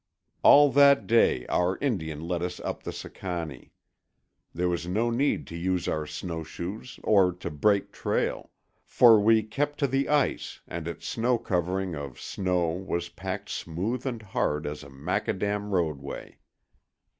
All that day our Indian led us up the Sicannie. There was no need to use our snowshoes or to "break" trail, for we kept to the ice, and its covering of snow was packed smooth and hard as a macadam roadway.